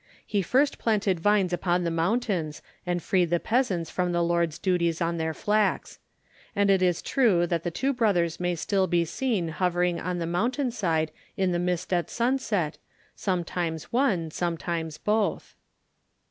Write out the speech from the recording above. He first planted vines upon the mountains, and freed the peasants from the lord's dues on their flax. And it is true that the two brothers may still be seen hovering on the mountain side in the mist at sunset, sometimes one, sometimes both."